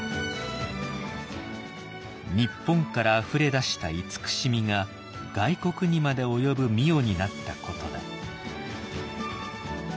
日本からあふれ出した慈しみが外国にまで及ぶ御代になったことだ。